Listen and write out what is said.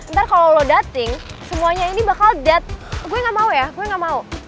ntar kalau lo dutting semuanya ini bakal gue gak mau ya gue gak mau